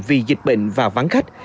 vì dịch bệnh và vắng khách